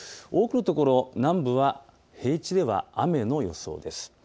多くのところ、南部は平地では雨の予想です。